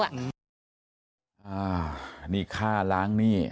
อันนี้ฆ่าล้างหนี้